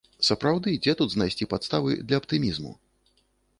Сапраўды, дзе тут знайсці падставы для аптымізму?